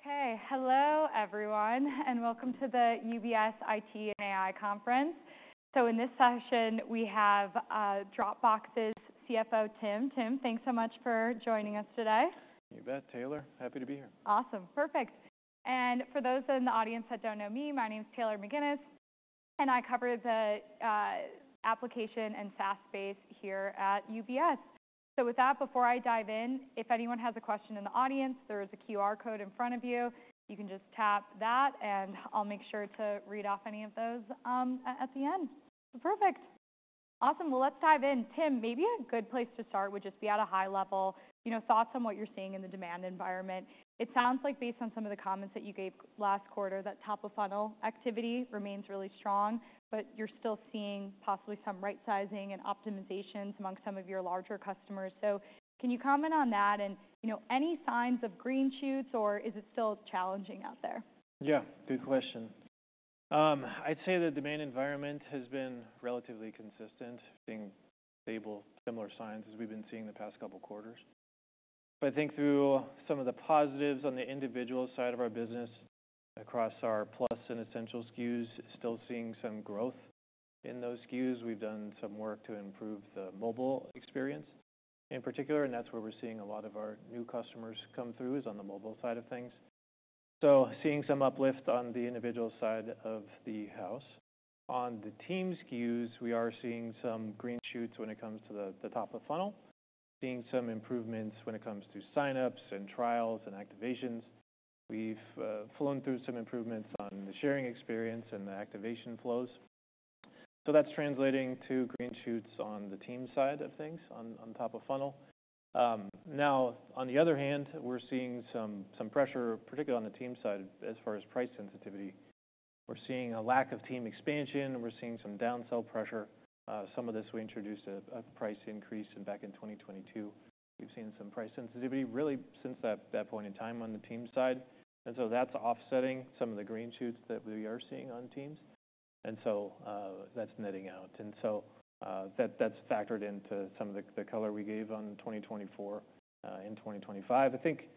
Okay, hello everyone, and welcome to the UBS IT and AI conference. So in this session, we have Dropbox's CFO, Tim. Tim, thanks so much for joining us today. You bet, Taylor. Happy to be here. Awesome, perfect. And for those in the audience that don't know me, my name's Taylor McGinnis, and I cover the application and SaaS space here at UBS. So with that, before I dive in, if anyone has a question in the audience, there is a QR code in front of you. You can just tap that, and I'll make sure to read off any of those at the end. Perfect. Awesome, well, let's dive in. Tim, maybe a good place to start would just be at a high level, thoughts on what you're seeing in the demand environment? It sounds like, based on some of the comments that you gave last quarter, that top-of-funnel activity remains really strong, but you're still seeing possibly some right-sizing and optimizations among some of your larger customers. So can you comment on that, and any signs of green shoots, or is it still challenging out there? Yeah, good question. I'd say the demand environment has been relatively consistent, seeing stable, similar signs as we've been seeing the past couple of quarters. I think through some of the positives on the individual side of our business, across our Plus and Essential SKUs, still seeing some growth in those SKUs. We've done some work to improve the mobile experience in particular, and that's where we're seeing a lot of our new customers come through, is on the mobile side of things. So seeing some uplift on the individual side of the house. On the team SKUs, we are seeing some green shoots when it comes to the top-of-funnel, seeing some improvements when it comes to sign-ups and trials and activations. We've flown through some improvements on the sharing experience and the activation flows. So that's translating to green shoots on the team side of things, on top-of-funnel. Now, on the other hand, we're seeing some pressure, particularly on the team side, as far as price sensitivity. We're seeing a lack of team expansion. We're seeing some downsell pressure. Some of this, we introduced a price increase back in 2022. We've seen some price sensitivity really since that point in time on the team side. And so that's offsetting some of the green shoots that we are seeing on teams. And so that's netting out. And so that's factored into some of the color we gave on 2024 and 2025. I think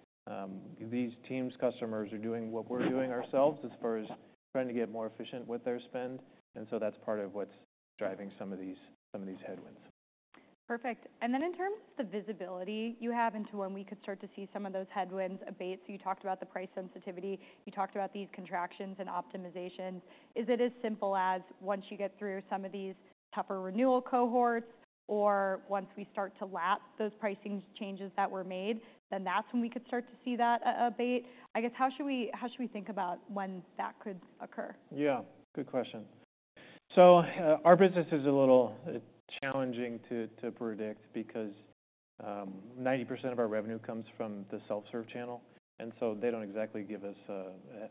these team customers are doing what we're doing ourselves as far as trying to get more efficient with their spend. And so that's part of what's driving some of these headwinds. Perfect. And then in terms of the visibility you have into when we could start to see some of those headwinds abate, so you talked about the price sensitivity, you talked about these contractions and optimizations. Is it as simple as once you get through some of these tougher renewal cohorts, or once we start to lap those pricing changes that were made, then that's when we could start to see that abate? I guess, how should we think about when that could occur? Yeah, good question. So our business is a little challenging to predict because 90% of our revenue comes from the self-serve channel. And so they don't exactly give us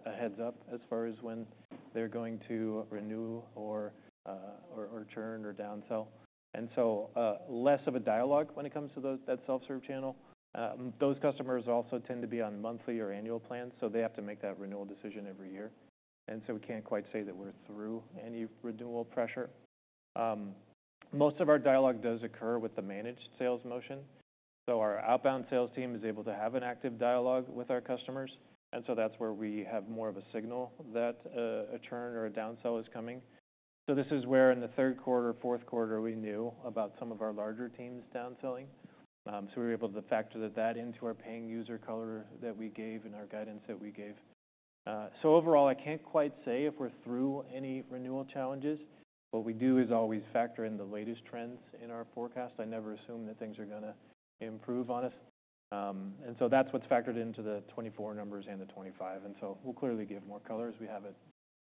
a heads-up as far as when they're going to renew or churn or downsell. And so less of a dialogue when it comes to that self-serve channel. Those customers also tend to be on monthly or annual plans, so they have to make that renewal decision every year. And so we can't quite say that we're through any renewal pressure. Most of our dialogue does occur with the managed sales motion. So our outbound sales team is able to have an active dialogue with our customers. And so that's where we have more of a signal that a churn or a downsell is coming. So this is where in the third quarter, fourth quarter, we knew about some of our larger teams downselling, so we were able to factor that into our paying user color that we gave and our guidance that we gave, so overall, I can't quite say if we're through any renewal challenges. What we do is always factor in the latest trends in our forecast. I never assume that things are going to improve on us, and so that's what's factored into the 2024 numbers and the 2025, and so we'll clearly give more color as we have it.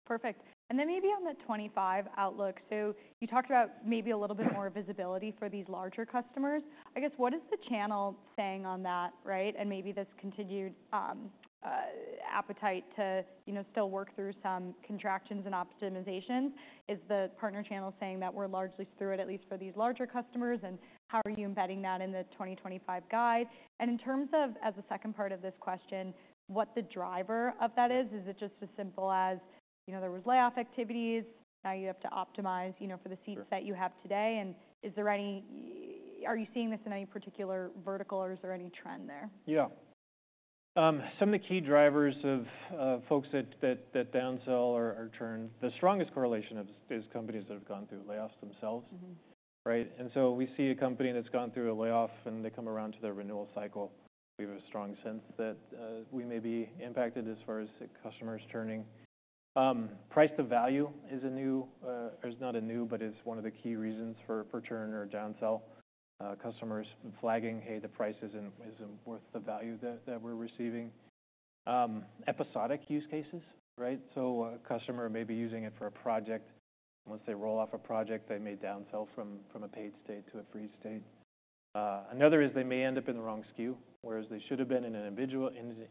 Perfect. And then maybe on the 2025 outlook, so you talked about maybe a little bit more visibility for these larger customers. I guess, what is the channel saying on that, right, and maybe this continued appetite to still work through some contractions and optimizations? Is the partner channel saying that we're largely through it, at least for these larger customers, and how are you embedding that in the 2025 guide? And in terms of, as a second part of this question, what the driver of that is, is it just as simple as there was layoff activities, now you have to optimize for the seats that you have today, and are you seeing this in any particular vertical, or is there any trend there? Yeah. Some of the key drivers of folks that downsell or churn. The strongest correlation is companies that have gone through layoffs themselves, right, and so we see a company that's gone through a layoff, and they come around to their renewal cycle. We have a strong sense that we may be impacted as far as customers churning. Price to value is a new, or is not a new, but is one of the key reasons for churn or downsell. Customers flagging, hey, the price isn't worth the value that we're receiving. Episodic use cases, right? So a customer may be using it for a project. Once they roll off a project, they may downsell from a paid state to a free state. Another is they may end up in the wrong SKU, whereas they should have been in an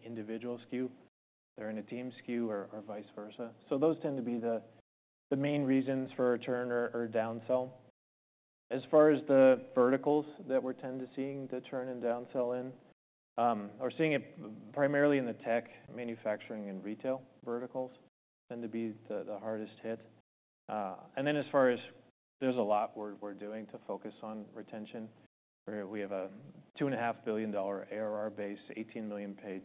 individual SKU. They're in a team SKU or vice versa. So those tend to be the main reasons for a churn or downsell. As far as the verticals that we're tending to see the churn and downsell in, we're seeing it primarily in the tech, manufacturing, and retail verticals tend to be the hardest hit. And then, as far as, there's a lot we're doing to focus on retention, where we have a $2.5 billion ARR base, 18 million paid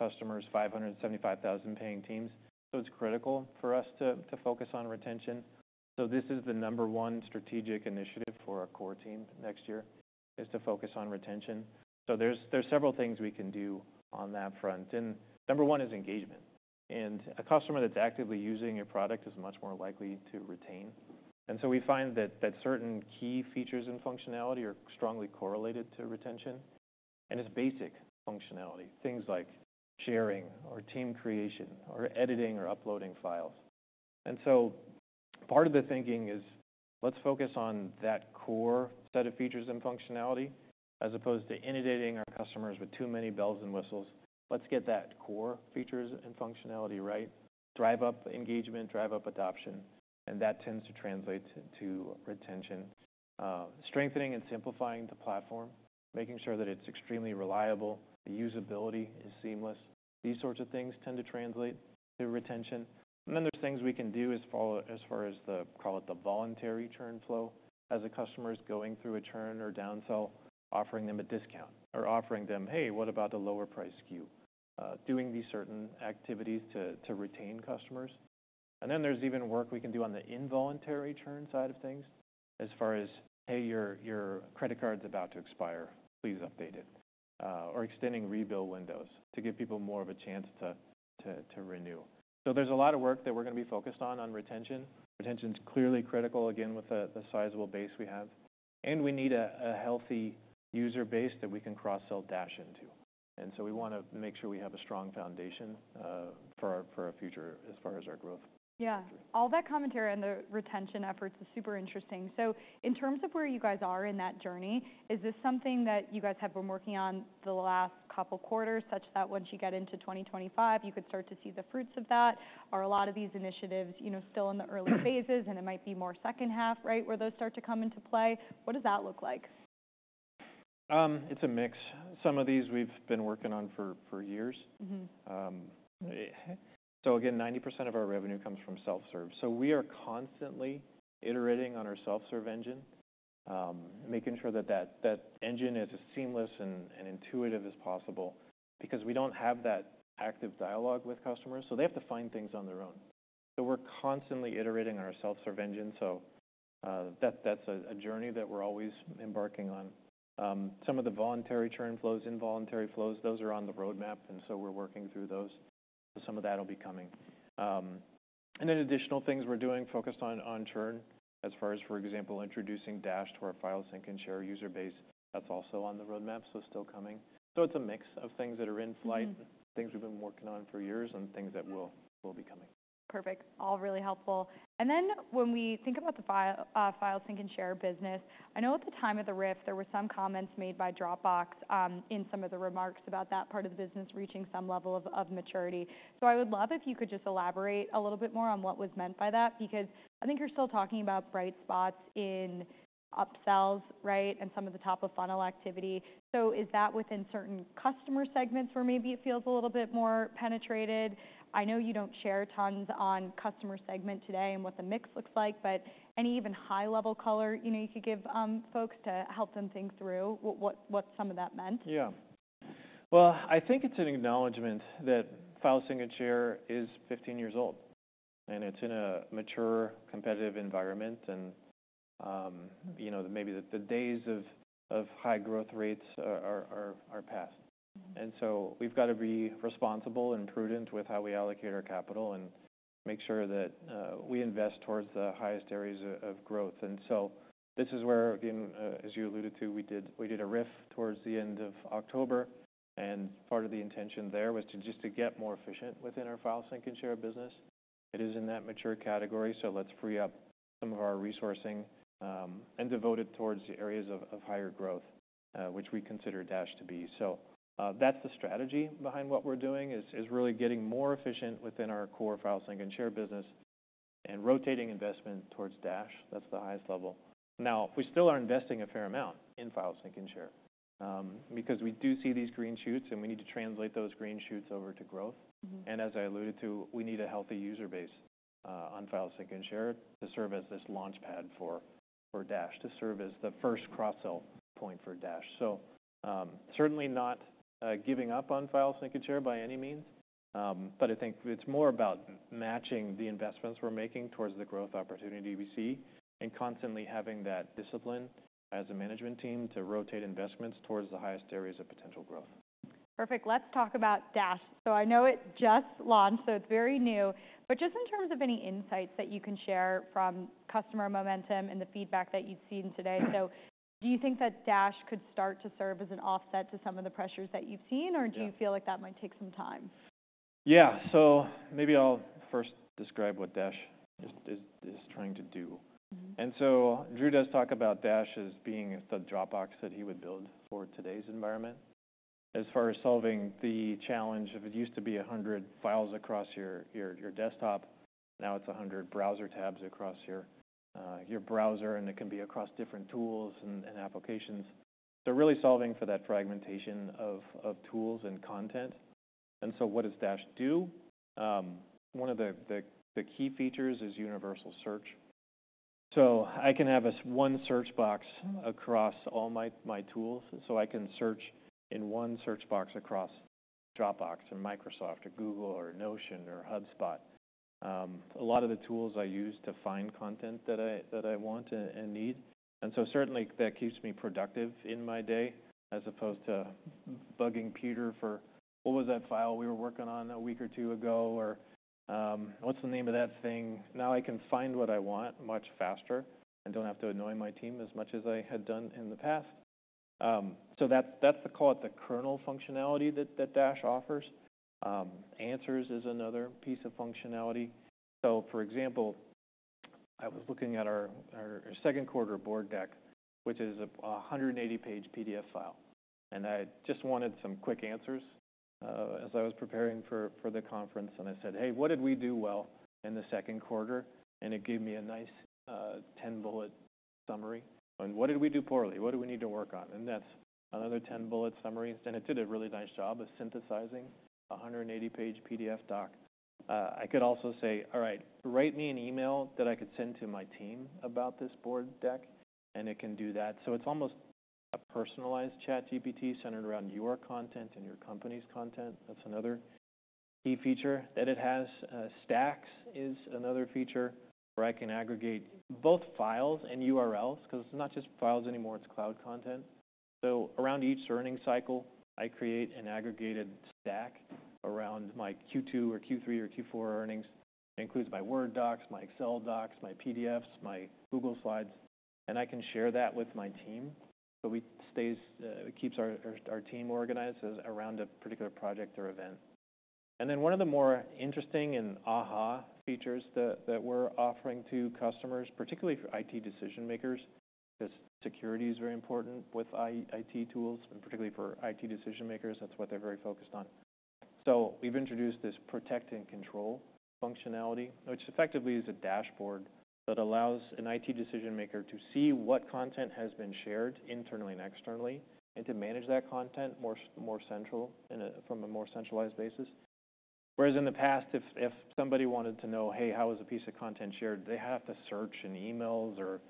customers, 575,000 paying teams. So it's critical for us to focus on retention. So this is the number one strategic initiative for our core team next year, is to focus on retention. So there's several things we can do on that front. And number one is engagement. And a customer that's actively using your product is much more likely to retain. And so we find that certain key features and functionality are strongly correlated to retention. And it's basic functionality, things like sharing or team creation or editing or uploading files. And so part of the thinking is let's focus on that core set of features and functionality, as opposed to inundating our customers with too many bells and whistles. Let's get that core features and functionality right, drive up engagement, drive up adoption. And that tends to translate to retention. Strengthening and simplifying the platform, making sure that it's extremely reliable, the usability is seamless. These sorts of things tend to translate to retention. And then there's things we can do as far as the, call it the voluntary churn flow, as a customer is going through a churn or downsell, offering them a discount, or offering them, hey, what about the lower price SKU? Doing these certain activities to retain customers. And then there's even work we can do on the involuntary churn side of things, as far as, hey, your credit card's about to expire, please update it. Or extending rebill windows to give people more of a chance to renew. So there's a lot of work that we're going to be focused on, on retention. Retention's clearly critical, again, with the sizable base we have. And we need a healthy user base that we can cross-sell Dash into. And so we want to make sure we have a strong foundation for our future as far as our growth. Yeah. All that commentary on the retention efforts is super interesting, so in terms of where you guys are in that journey, is this something that you guys have been working on the last couple of quarters, such that once you get into 2025, you could start to see the fruits of that? Are a lot of these initiatives still in the early phases, and it might be more second half, right, where those start to come into play? What does that look like? It's a mix. Some of these we've been working on for years, so again, 90% of our revenue comes from self-serve. So we are constantly iterating on our self-serve engine, making sure that that engine is as seamless and intuitive as possible because we don't have that active dialogue with customers, so they have to find things on their own. So we're constantly iterating on our self-serve engine, so that's a journey that we're always embarking on. Some of the voluntary churn flows, involuntary flows, those are on the roadmap, and so we're working through those, so some of that will be coming, and then additional things we're doing focused on churn, as far as, for example, introducing Dash to our file sync and share user base, that's also on the roadmap, so still coming. So it's a mix of things that are in flight, things we've been working on for years, and things that will be coming. Perfect. All really helpful, and then when we think about the file sync and share business, I know at the time of the RIF, there were some comments made by Dropbox in some of the remarks about that part of the business reaching some level of maturity. So I would love if you could just elaborate a little bit more on what was meant by that, because I think you're still talking about bright spots in upsells, right, and some of the top-of-funnel activity. So is that within certain customer segments where maybe it feels a little bit more penetrated? I know you don't share tons on customer segment today and what the mix looks like, but any even high-level color you could give folks to help them think through what some of that meant. Yeah. Well, I think it's an acknowledgment that file sync and share is 15 years old, and it's in a mature, competitive environment, and maybe the days of high growth rates are past. And so we've got to be responsible and prudent with how we allocate our capital and make sure that we invest towards the highest areas of growth. And so this is where, again, as you alluded to, we did a RIF towards the end of October, and part of the intention there was just to get more efficient within our file sync and share business. It is in that mature category, so let's free up some of our resourcing and devote it towards the areas of higher growth, which we consider Dash to be. So that's the strategy behind what we're doing, is really getting more efficient within our core file sync and share business and rotating investment towards Dash. That's the highest level. Now, we still are investing a fair amount in file sync and share because we do see these green shoots, and we need to translate those green shoots over to growth, and as I alluded to, we need a healthy user base on file sync and share to serve as this launchpad for Dash, to serve as the first cross-sell point for Dash, so certainly not giving up on file sync and share by any means, but I think it's more about matching the investments we're making towards the growth opportunity we see and constantly having that discipline as a management team to rotate investments towards the highest areas of potential growth. Perfect. Let's talk about Dash. So I know it just launched, so it's very new, but just in terms of any insights that you can share from customer momentum and the feedback that you've seen today, so do you think that Dash could start to serve as an offset to some of the pressures that you've seen, or do you feel like that might take some time? Yeah. So maybe I'll first describe what Dash is trying to do. And so Drew does talk about Dash as being the Dropbox that he would build for today's environment. As far as solving the challenge of it used to be 100 files across your desktop, now it's 100 browser tabs across your browser, and it can be across different tools and applications. So really solving for that fragmentation of tools and content. And so what does Dash do? One of the key features is universal search. So I can have one search box across all my tools. So I can search in one search box across Dropbox or Microsoft or Google or Notion or HubSpot. A lot of the tools I use to find content that I want and need. And so certainly that keeps me productive in my day, as opposed to bugging Peter for, what was that file we were working on a week or two ago, or what's the name of that thing? Now I can find what I want much faster and don't have to annoy my team as much as I had done in the past. So that's the, call it the kernel functionality that Dash offers. Answers is another piece of functionality. So for example, I was looking at our second quarter board deck, which is a 180-page PDF file. And I just wanted some quick answers as I was preparing for the conference. And I said, hey, what did we do well in the second quarter? And it gave me a nice 10-bullet summary. And what did we do poorly? What do we need to work on? And that's another 10-bullet summary. And it did a really nice job of synthesizing a 180-page PDF doc. I could also say, all right, write me an email that I could send to my team about this board deck, and it can do that. So it's almost a personalized ChatGPT centered around your content and your company's content. That's another key feature that it has. Stacks is another feature where I can aggregate both files and URLs, because it's not just files anymore, it's cloud content. So around each earnings cycle, I create an aggregated stack around my Q2 or Q3 or Q4 earnings. It includes my Word docs, my Excel docs, my PDFs, my Google Slides. And I can share that with my team. So it keeps our team organized around a particular project or event. Then one of the more interesting and Aha features that we're offering to customers, particularly for IT decision-makers, because security is very important with IT tools, and particularly for IT decision-makers, that's what they're very focused on. We've introduced this Protect and Control functionality, which effectively is a dashboard that allows an IT decision-maker to see what content has been shared internally and externally and to manage that content more centrally from a more centralized basis. Whereas in the past, if somebody wanted to know, hey, how is a piece of content shared, they have to search in emails or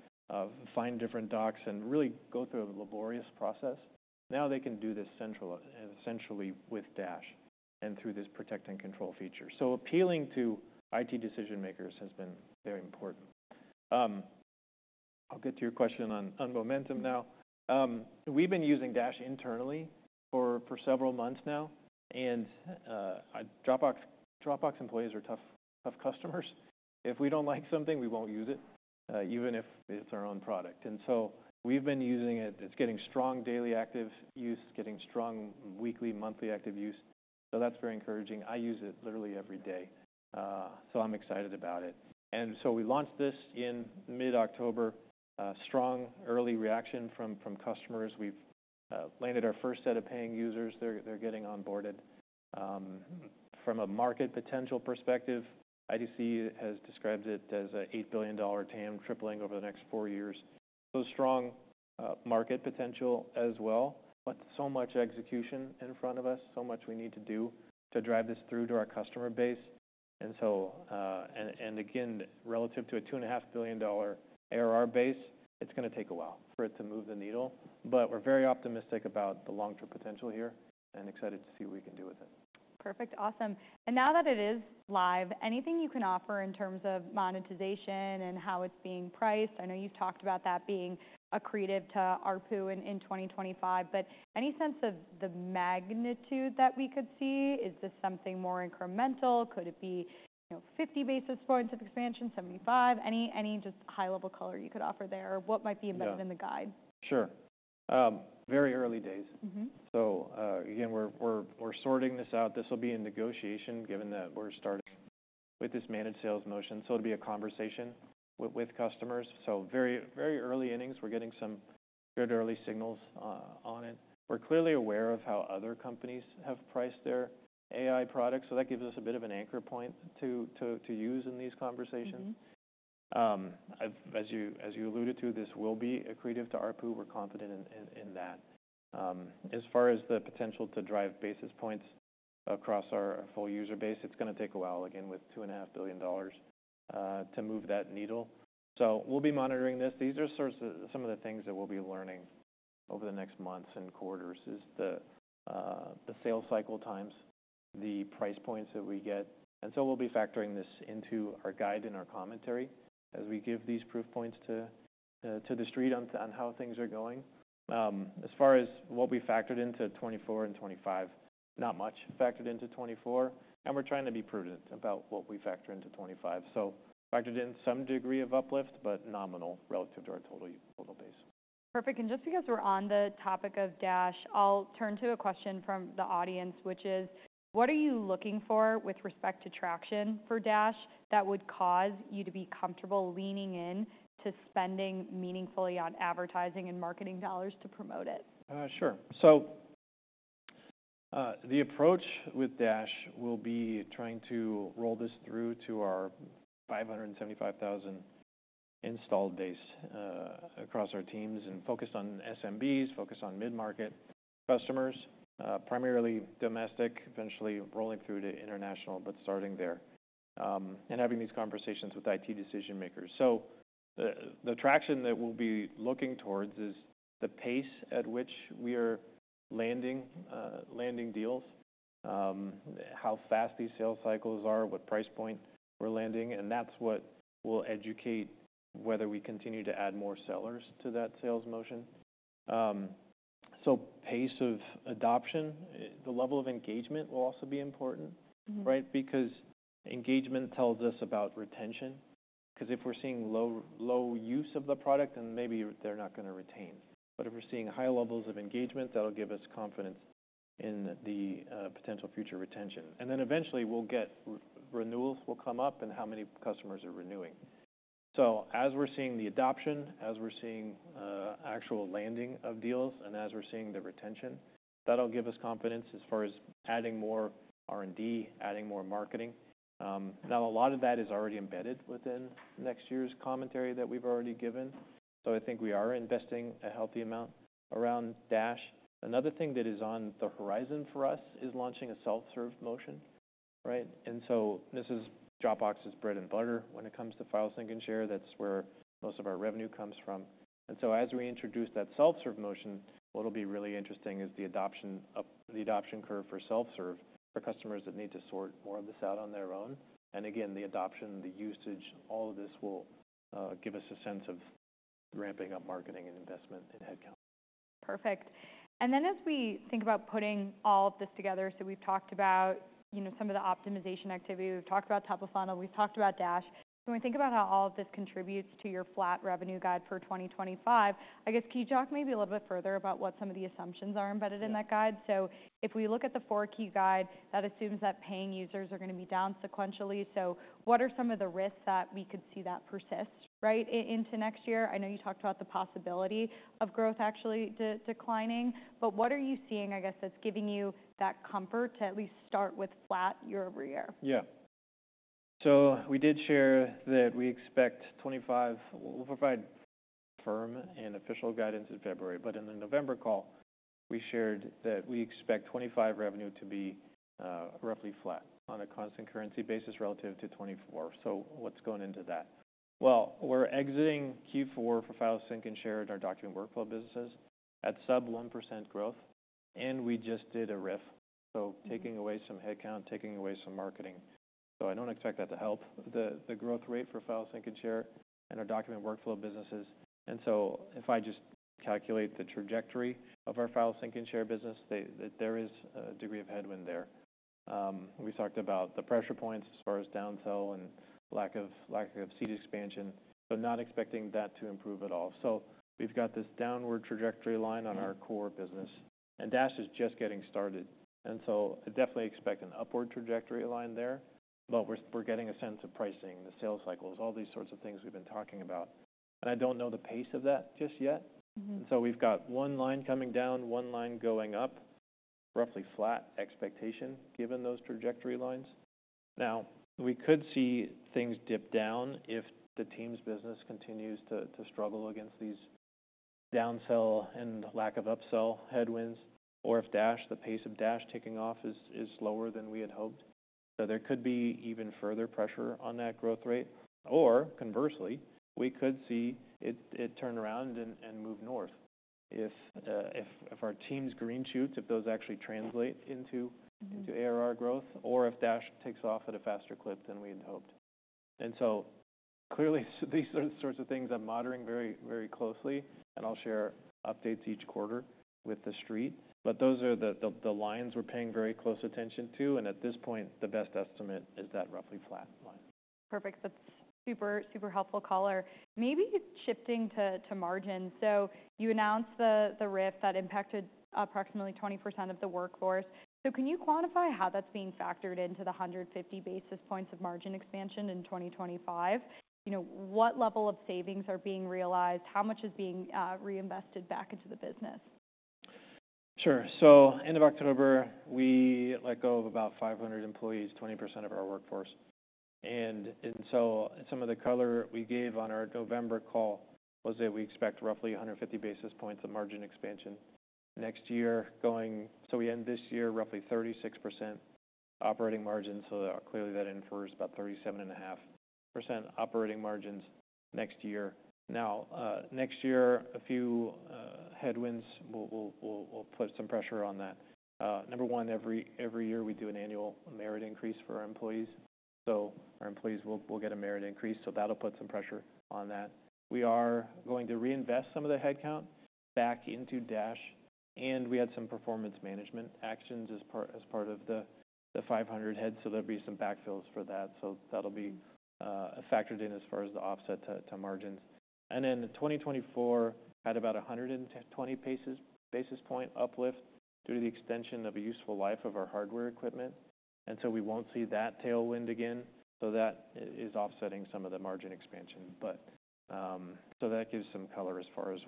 find different docs and really go through a laborious process. Now they can do this centrally, essentially with Dash and through this Protect and Control feature. Appealing to IT decision-makers has been very important. I'll get to your question on momentum now. We've been using Dash internally for several months now, and Dropbox employees are tough customers. If we don't like something, we won't use it, even if it's our own product, and so we've been using it. It's getting strong daily active use, getting strong weekly, monthly active use, so that's very encouraging. I use it literally every day, so I'm excited about it, and so we launched this in mid-October. Strong early reaction from customers. We've landed our first set of paying users. They're getting onboarded. From a market potential perspective, IDC has described it as an $8 billion TAM tripling over the next four years, so strong market potential as well, but so much execution in front of us, so much we need to do to drive this through to our customer base. And again, relative to a $2.5 billion ARR base, it's going to take a while for it to move the needle. But we're very optimistic about the long-term potential here and excited to see what we can do with it. Perfect. Awesome, and now that it is live, anything you can offer in terms of monetization and how it's being priced? I know you've talked about that being accretive to ARPU in 2025, but any sense of the magnitude that we could see? Is this something more incremental? Could it be 50 basis points of expansion, 75? Any just high-level color you could offer there? What might be embedded in the guide? Sure. Very early days. So again, we're sorting this out. This will be in negotiation, given that we're starting with this managed sales motion. So it'll be a conversation with customers. So very early innings, we're getting some good early signals on it. We're clearly aware of how other companies have priced their AI products. So that gives us a bit of an anchor point to use in these conversations. As you alluded to, this will be accretive to ARPU. We're confident in that. As far as the potential to drive basis points across our full user base, it's going to take a while, again, with $2.5 billion to move that needle. So we'll be monitoring this. These are some of the things that we'll be learning over the next months and quarters: the sales cycle times, the price points that we get. And so we'll be factoring this into our guide and our commentary as we give these proof points to the street on how things are going. As far as what we factored into 2024 and 2025, not much factored into 2024. And we're trying to be prudent about what we factor into 2025. So factored in some degree of uplift, but nominal relative to our total base. Perfect. And just because we're on the topic of Dash, I'll turn to a question from the audience, which is, what are you looking for with respect to traction for Dash that would cause you to be comfortable leaning in to spending meaningfully on advertising and marketing dollars to promote it? Sure. So the approach with Dash will be trying to roll this through to our 575,000 installed base across our teams and focused on SMBs, focused on mid-market customers, primarily domestic, eventually rolling through to international, but starting there, and having these conversations with IT decision-makers. So the traction that we'll be looking towards is the pace at which we are landing deals, how fast these sales cycles are, what price point we're landing. And that's what will educate whether we continue to add more sellers to that sales motion. So pace of adoption, the level of engagement will also be important, right? Because engagement tells us about retention, because if we're seeing low use of the product, then maybe they're not going to retain. But if we're seeing high levels of engagement, that'll give us confidence in the potential future retention. And then eventually we'll get renewals will come up and how many customers are renewing. So as we're seeing the adoption, as we're seeing actual landing of deals, and as we're seeing the retention, that'll give us confidence as far as adding more R&D, adding more marketing. Now, a lot of that is already embedded within next year's commentary that we've already given. So I think we are investing a healthy amount around Dash. Another thing that is on the horizon for us is launching a self-serve motion, right? And so this is Dropbox's bread and butter when it comes to file sync and share. That's where most of our revenue comes from. And so as we introduce that self-serve motion, what'll be really interesting is the adoption curve for self-serve for customers that need to sort more of this out on their own. Again, the adoption, the usage, all of this will give us a sense of ramping up marketing and investment and headcount. Perfect. And then as we think about putting all of this together, so we've talked about some of the optimization activity. We've talked about top-of-funnel. We've talked about Dash. So when we think about how all of this contributes to your flat revenue guide for 2025, I guess, can you talk maybe a little bit further about what some of the assumptions are embedded in that guide? So if we look at the four key guide, that assumes that paying users are going to be down sequentially. So what are some of the risks that we could see that persist, right, into next year? I know you talked about the possibility of growth actually declining, but what are you seeing, I guess, that's giving you that comfort to at least start with flat year over year? Yeah. So we did share that we expect 2025. We'll provide firm and official guidance in February. But in the November call, we shared that we expect 2025 revenue to be roughly flat on a constant currency basis relative to 2024. So what's going into that? Well, we're exiting Q4 for file sync and share in our document workflow businesses at sub 1% growth. And we just did a RIF. So taking away some headcount, taking away some marketing. So I don't expect that to help the growth rate for file sync and share in our document workflow businesses. And so if I just calculate the trajectory of our file sync and share business, there is a degree of headwind there. We talked about the pressure points as far as downsell and lack of seed expansion. So not expecting that to improve at all. So we've got this downward trajectory line on our core business. And Dash is just getting started. And so I definitely expect an upward trajectory line there. But we're getting a sense of pricing, the sales cycles, all these sorts of things we've been talking about. And I don't know the pace of that just yet. And so we've got one line coming down, one line going up, roughly flat expectation given those trajectory lines. Now, we could see things dip down if the team's business continues to struggle against these downsell and lack of upsell headwinds, or if Dash, the pace of Dash ticking off, is lower than we had hoped. So there could be even further pressure on that growth rate. Or conversely, we could see it turn around and move north if our team's green shoots, if those actually translate into ARR growth, or if Dash takes off at a faster clip than we had hoped. And so clearly, these are the sorts of things I'm monitoring very, very closely. And I'll share updates each quarter with the street. But those are the lines we're paying very close attention to. And at this point, the best estimate is that roughly flat line. Perfect. That's super, super helpful, Caller. Maybe shifting to margin. So you announced the RIF that impacted approximately 20% of the workforce. So can you quantify how that's being factored into the 150 basis points of margin expansion in 2025? What level of savings are being realized? How much is being reinvested back into the business? Sure. So end of October, we let go of about 500 employees, 20% of our workforce. And so some of the color we gave on our November call was that we expect roughly 150 basis points of margin expansion next year. So we end this year roughly 36% operating margins. So clearly, that infers about 37.5% operating margins next year. Now, next year, a few headwinds will put some pressure on that. Number one, every year we do an annual merit increase for our employees. So our employees will get a merit increase. So that'll put some pressure on that. We are going to reinvest some of the headcount back into Dash. And we had some performance management actions as part of the 500 heads. So there'll be some backfills for that. So that'll be factored in as far as the offset to margins. And then 2024 had about 120 basis points uplift due to the extension of a useful life of our hardware equipment. And so we won't see that tailwind again. So that is offsetting some of the margin expansion. So that gives some color as far as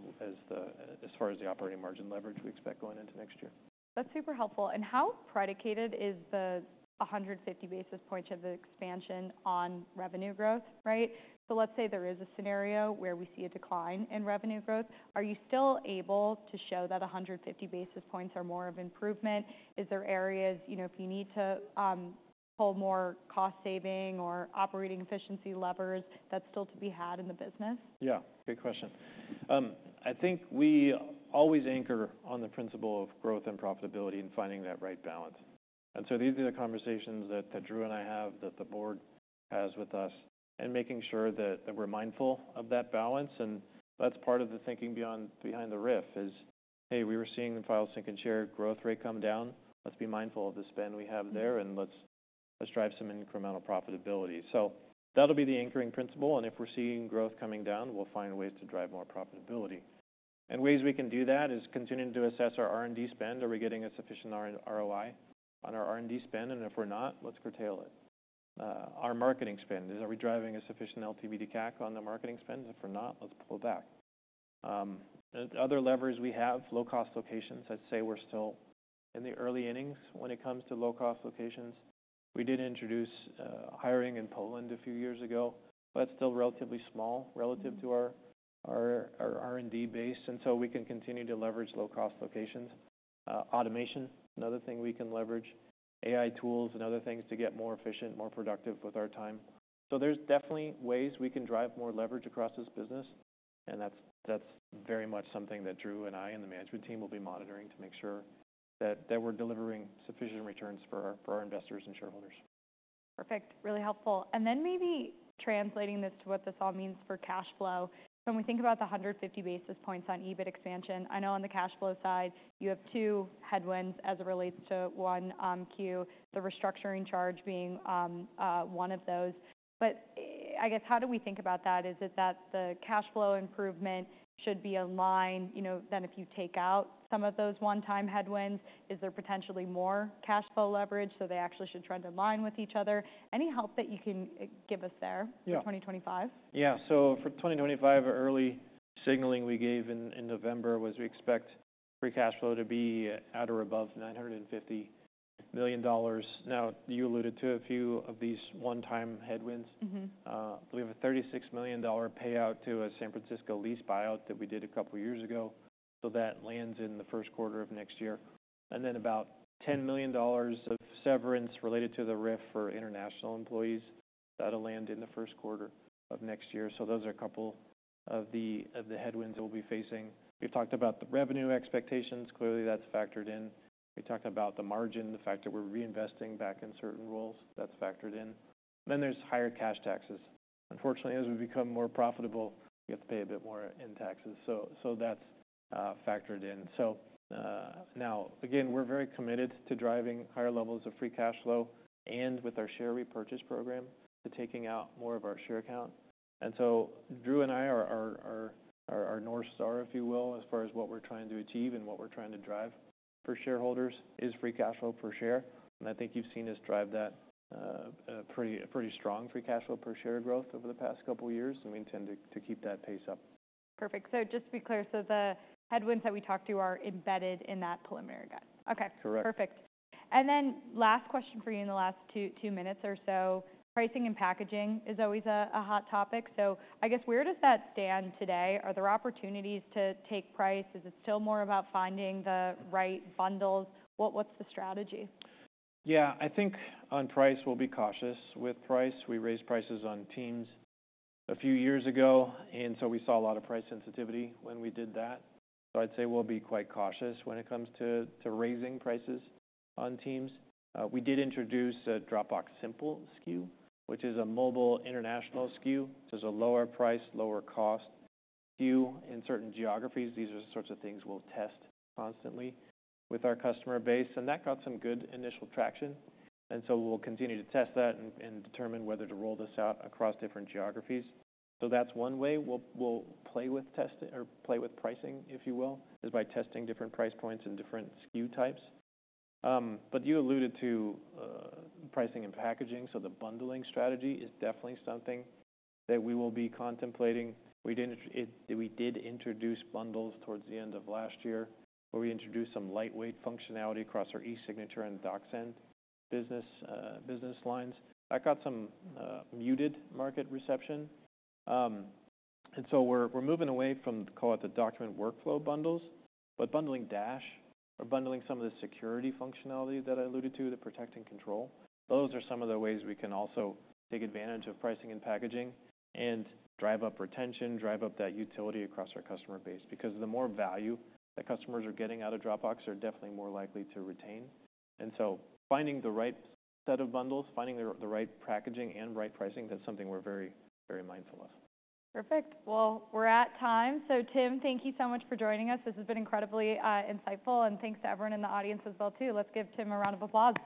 the operating margin leverage we expect going into next year. That's super helpful. And how predicated is the 150 basis points of the expansion on revenue growth, right? So let's say there is a scenario where we see a decline in revenue growth. Are you still able to show that 150 basis points are more of improvement? Is there areas if you need to pull more cost saving or operating efficiency levers? That's still to be had in the business. Yeah. Good question. I think we always anchor on the principle of growth and profitability and finding that right balance. And so these are the conversations that Drew and I have, that the board has with us, and making sure that we're mindful of that balance. And that's part of the thinking behind the RIF is, hey, we were seeing file sync and share growth rate come down. Let's be mindful of the spend we have there, and let's drive some incremental profitability. So that'll be the anchoring principle. And if we're seeing growth coming down, we'll find ways to drive more profitability. And ways we can do that is continue to assess our R&D spend. Are we getting a sufficient ROI on our R&D spend? And if we're not, let's curtail it. Our marketing spend, are we driving a sufficient LTV to CAC on the marketing spend? If we're not, let's pull back. Other levers we have, low-cost locations. I'd say we're still in the early innings when it comes to low-cost locations. We did introduce hiring in Poland a few years ago, but it's still relatively small relative to our R&D base. And so we can continue to leverage low-cost locations. Automation, another thing we can leverage, AI tools and other things to get more efficient, more productive with our time. So there's definitely ways we can drive more leverage across this business. And that's very much something that Drew and I and the management team will be monitoring to make sure that we're delivering sufficient returns for our investors and shareholders. Perfect. Really helpful. And then maybe translating this to what this all means for cash flow. So when we think about the 150 basis points on EBIT expansion, I know on the cash flow side, you have two headwinds as it relates to 1Q, the restructuring charge being one of those. But I guess, how do we think about that? Is it that the cash flow improvement should be aligned? Then if you take out some of those one-time headwinds, is there potentially more cash flow leverage? So they actually should try to align with each other. Any help that you can give us there for 2025? Yeah. So for 2025, early signaling we gave in November was we expect free cash flow to be at or above $950 million. Now, you alluded to a few of these one-time headwinds. We have a $36 million payout to a San Francisco lease buyout that we did a couple of years ago. So that lands in the first quarter of next year. And then about $10 million of severance related to the RIF for international employees. That'll land in the first quarter of next year. So those are a couple of the headwinds that we'll be facing. We've talked about the revenue expectations. Clearly, that's factored in. We talked about the margin, the fact that we're reinvesting back in certain roles. That's factored in. Then there's higher cash taxes. Unfortunately, as we become more profitable, we have to pay a bit more in taxes. So that's factored in. So now, again, we're very committed to driving higher levels of free cash flow and with our share repurchase program, taking out more of our share count. And so Drew and I are our North Star, if you will, as far as what we're trying to achieve and what we're trying to drive for shareholders is free cash flow per share. And I think you've seen us drive that pretty strong free cash flow per share growth over the past couple of years. And we intend to keep that pace up. Perfect. So just to be clear, so the headwinds that we talked to are embedded in that preliminary guide. Okay. Correct. Perfect. And then last question for you in the last two minutes or so. Pricing and packaging is always a hot topic. So I guess, where does that stand today? Are there opportunities to take price? Is it still more about finding the right bundles? What's the strategy? Yeah. I think on price, we'll be cautious with price. We raised prices on Teams a few years ago. And so we saw a lot of price sensitivity when we did that. So I'd say we'll be quite cautious when it comes to raising prices on Teams. We did introduce a Dropbox Simple SKU, which is a mobile international SKU. So it's a lower price, lower cost SKU in certain geographies. These are the sorts of things we'll test constantly with our customer base. And that got some good initial traction. And so we'll continue to test that and determine whether to roll this out across different geographies. So that's one way we'll play with pricing, if you will, is by testing different price points and different SKU types. But you alluded to pricing and packaging. So the bundling strategy is definitely something that we will be contemplating. We did introduce bundles towards the end of last year where we introduced some lightweight functionality across our e-signature and DocSend business lines. That got some muted market reception. And so we're moving away from, call it the document workflow bundles, but bundling Dash or bundling some of the security functionality that I alluded to, the Protect and Control. Those are some of the ways we can also take advantage of pricing and packaging and drive up retention, drive up that utility across our customer base. Because the more value that customers are getting out of Dropbox, they're definitely more likely to retain. And so finding the right set of bundles, finding the right packaging and right pricing, that's something we're very, very mindful of. Perfect. Well, we're at time. So Tim, thank you so much for joining us. This has been incredibly insightful. And thanks to everyone in the audience as well, too. Let's give Tim a round of applause.